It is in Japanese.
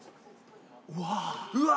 うわ。